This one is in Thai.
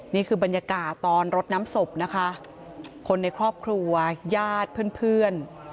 นี่คือบรรยากาศตอนรดน้ำศพนะคะคนในครอบครัวญาติเพื่อน